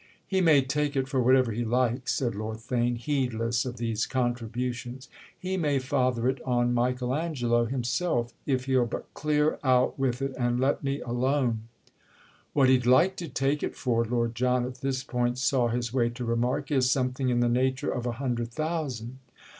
"He may take it for whatever he likes," said Lord Theign, heedless of these contributions, "he may father it on Michael Angelo himself if he'll but clear out with it and let me alone!" "What he'd like to take it for," Lord John at this point saw his way to remark, "is something in the nature of a Hundred Thousand."